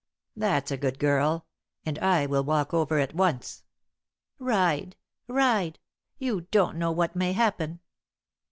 "That's a good girl; and I will walk over at once." "Ride ride! You don't know what may happen."